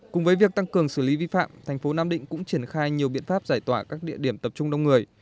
cùng với việc tăng cường xử lý vi phạm thành phố nam định cũng triển khai nhiều biện pháp giải tỏa các địa điểm tập trung đông người